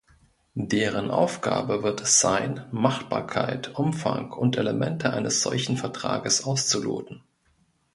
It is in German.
Deren Aufgabe wird es sein, Machbarkeit, Umfang und Elemente eines solchen Vertrages auszuloten.